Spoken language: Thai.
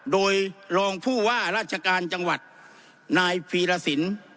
โดยรองผู้ว่าราชการจังหวัดนายพีรสิน